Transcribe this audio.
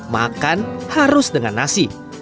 makan harus dengan nasi